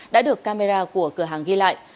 đã được camera của cửa hàng ghi lại